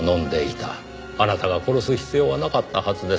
あなたが殺す必要はなかったはずです。